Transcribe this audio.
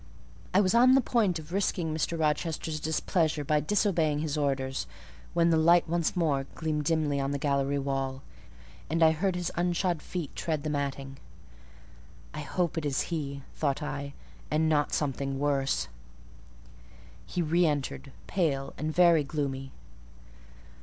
I was on the point of risking Mr. Rochester's displeasure by disobeying his orders, when the light once more gleamed dimly on the gallery wall, and I heard his unshod feet tread the matting. "I hope it is he," thought I, "and not something worse." He re entered, pale and very gloomy.